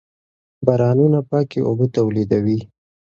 بارانونه پاکې اوبه تولیدوي.